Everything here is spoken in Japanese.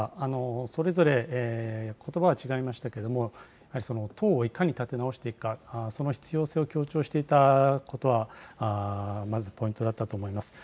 それぞれことばは違いましたけれども、やはり党をいかに立て直していくか、その必要性を強調していたことは、まずポイントだったと思います。